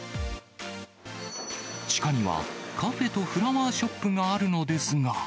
地下には、カフェとフラワーショップがあるのですが。